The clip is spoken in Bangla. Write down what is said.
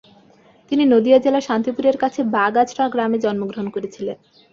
তিনি নদিয়া জেলার শান্তিপুরের কাছে বাগআঁচড়া গ্রামে জন্মগ্রহণ করেছিলেন।